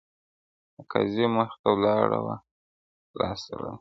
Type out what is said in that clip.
د قاضي مخ ته ولاړ وو لاس تړلى٫